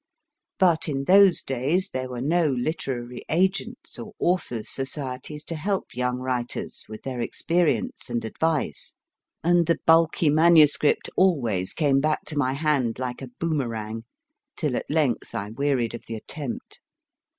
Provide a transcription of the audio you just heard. But in those days there were no literary agents or Authors Societies to help young writers with their experience and advice, and the bulky manuscript always came back to my hand like a boomerang, till at length I wearied of the attempt.